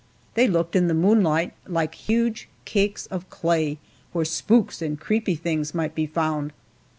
They looked, in the moonlight, like huge cakes of clay, where spooks and creepy things might be found.